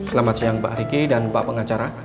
selamat siang mbak riki dan mbak pengacara